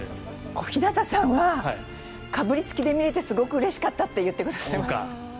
小日向さんはかぶりつきで見ていてすごくよかったと言っていました。